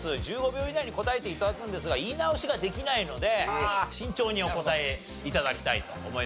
１５秒以内に答えて頂くんですが言い直しができないので慎重にお答え頂きたいと思います。